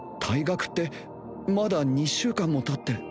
退学ってまだ２週間もたって